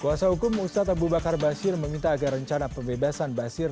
kuasa hukum ustadz abu bakar basir meminta agar rencana pembebasan basir